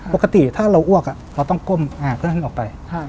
ปกติถ้าเราอ้วกเราต้องก้มเท่านั้นออกไป